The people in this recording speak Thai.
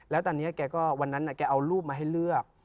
แล้วตอนนี้แกก็วันนั้นแกเอารูปมาให้เลือก